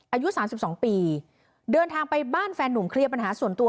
อายุสามสิบสองปีเดินทางไปบ้านแฟนนุ่มเคลียร์ปัญหาส่วนตัว